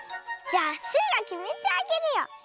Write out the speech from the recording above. じゃあスイがきめてあげるよ。